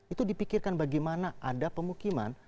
itu dipikirkan bagaimana ada pemukiman